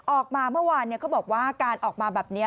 ออกมาเมื่อวานเขาบอกว่าการออกมาแบบนี้